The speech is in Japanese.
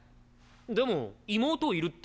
でも妹いるって。